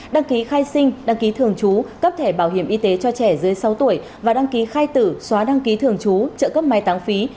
đăng ký khai sinh đăng ký thường trú cấp thẻ bảo hiểm y tế cho trẻ dưới sáu tuổi và đăng ký khai tử xóa đăng ký thường trú trợ cấp mai tăng phí